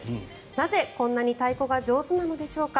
なぜ、こんなに太鼓が上手なのでしょうか。